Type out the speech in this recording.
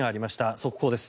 速報です。